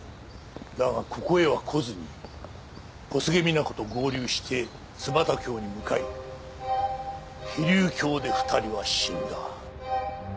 だがここへは来ずに小菅みな子と合流して寸又峡に向かい飛龍橋で２人は死んだ。